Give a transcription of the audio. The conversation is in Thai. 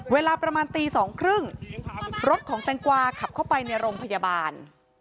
เวลาประมาณตี๒๓๐รถของแตงกวาขับเข้าไปในโรงพยาบาล